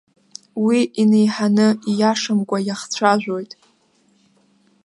Уи инеиҳаны, ииашамкәа иахцәажәоит.